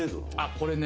これね。